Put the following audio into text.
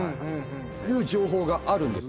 という情報があるんです。